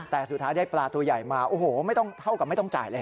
แต่สุดท้ายได้ปลาตัวใหญ่มาโอ้โหไม่ต้องเท่ากับไม่ต้องจ่ายเลย